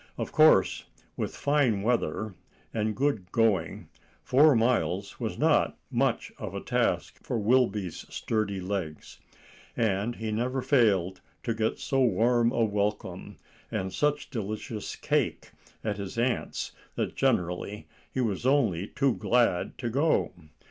Of course, with fine weather and good going, four miles was not much of a task for Wilby's sturdy legs, and he never failed to get so warm a welcome and such delicious cake at his aunt's that generally he was only too glad to go.